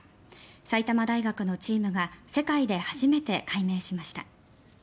埼玉大学のチームが世界で初めて解明しました。